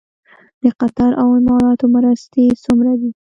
د قطر او اماراتو مرستې څومره دي؟